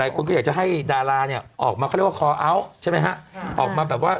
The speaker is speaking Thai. คนก็อยากจะให้ดาราเนี่ยออกมาเขาเรียกว่าคอเอาท์ใช่ไหมฮะออกมาแบบว่า